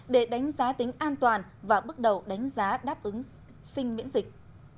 để đánh giá tính an toàn và bước đầu đánh giá đáp ứng sinh miễn dịch